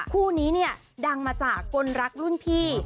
คู่นี้เนี่ยดังมาจากคนรักรุ่นพี่